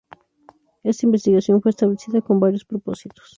Esta investigación fue establecida con varios propósitos.